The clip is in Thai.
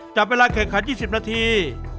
จากเวลาแค่ถึง๒๐นาที